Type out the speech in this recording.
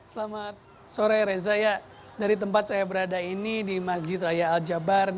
selamat sore reza ya dari tempat saya berada ini di masjid raya al jabar